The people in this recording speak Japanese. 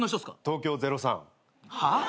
東京０３。は？